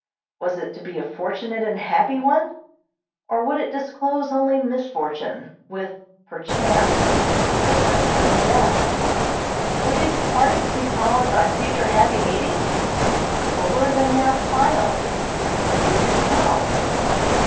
Was it to be a fortunate and happy one, or would it disclose only misfortune, with, perchance, sickness and death? Would these partings be followed by future happy meetings, or were they now final? Who could tell?